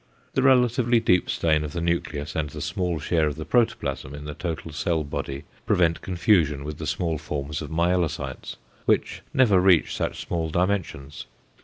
The relatively deep stain of the nucleus and the small share of the protoplasm in the total cell body prevent confusion with the small forms of myelocytes, which never reach such small dimensions.